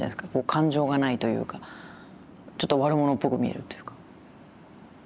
感情がないというかちょっと悪者っぽく見えるというか。